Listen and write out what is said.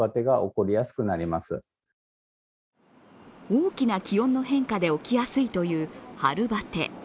大きな気温の変化で起きやすいという春バテ。